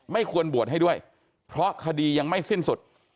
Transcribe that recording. ไม่ควรบวชให้ด้วยเพราะคดียังไม่สิ้นสุด